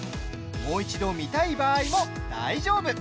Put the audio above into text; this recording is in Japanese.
もう一度、見たい場合も大丈夫。